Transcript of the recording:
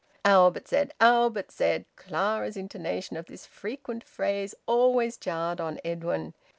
Albert said! Albert said! Clara's intonation of this frequent phrase always jarred on Edwin.